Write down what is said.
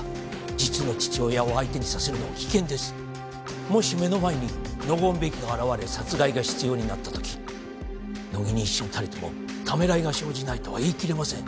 実の父親を相手にさせるのは危険ですもし目の前にノゴーン・ベキが現れ殺害が必要になった時乃木に一瞬たりともためらいが生じないとは言い切れません